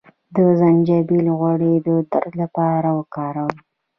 د زنجبیل غوړي د درد لپاره وکاروئ